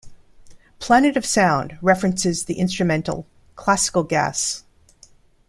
"Planet of Sound" references the instrumental "Classical Gas".